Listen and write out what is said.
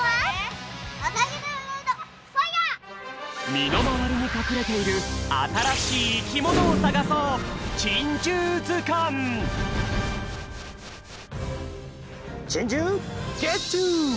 みのまわりにかくれているあたらしいいきものをさがそうチンジューゲッチュ！